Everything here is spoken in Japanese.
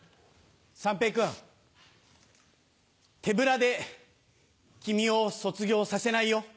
三平君手ぶらで君を卒業させないよ。